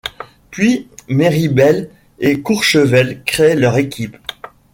Puis, Méribel et Courchevel créent leurs équipes.